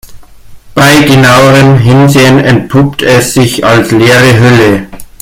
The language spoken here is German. Bei genauerem Hinsehen entpuppt es sich als leere Hülle.